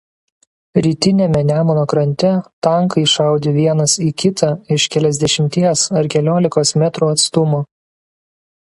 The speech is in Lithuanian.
Rytiniame Nemuno krante tankai šaudė vienas į kitą iš keliasdešimties ar keliolikos metrų atstumo.